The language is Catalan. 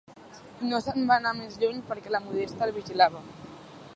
I no se'n va anar més lluny perquè la Modesta el vigilava.